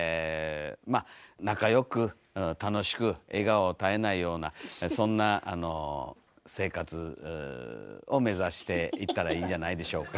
まあ仲良く楽しく笑顔絶えないようなそんなあの生活を目指していったらいいんじゃないでしょうか。